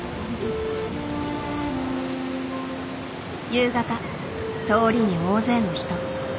夕方通りに大勢の人。